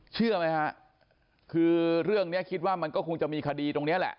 เชื่อไหมฮะคือเรื่องนี้คิดว่ามันก็คงจะมีคดีตรงนี้แหละ